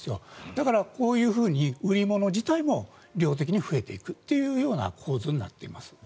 だから売り物自体も量的に増えていくという構図になっています。